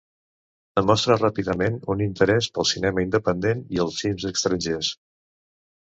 Demostra ràpidament un interès per al cinema independent i els films estrangers.